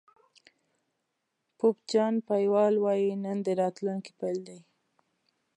پوپ جان پایول وایي نن د راتلونکي پيل دی.